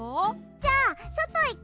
じゃあそといく！